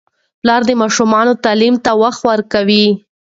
پلار د ماشومانو تعلیم ته وخت ورکوي.